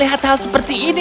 ini bukan sebuah perhubungan